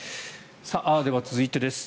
では、続いてです。